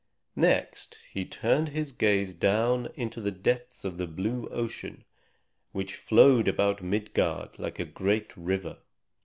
Next he turned his gaze down into the depths of the blue ocean which flowed about Midgard like a great river.